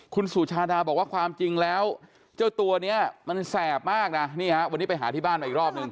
คุณสุชาดาบอกว่าความจริงแล้วเจ้าตัวนี้มันแสบมากนะนี่ฮะวันนี้ไปหาที่บ้านมาอีกรอบหนึ่ง